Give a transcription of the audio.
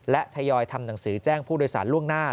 และทยอยทำหนังสือแจ้งผู้โดยสารล่วงหน้า